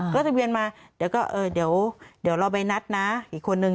เขาจะเบียนมาเดี๋ยวเราไปนัดนะอีกคนนึง